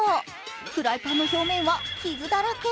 フライパンの表面は傷だらけ。